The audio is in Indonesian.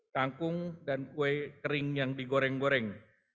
kangkung dan kue kering yang digoreng goreng